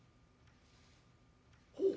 ほう。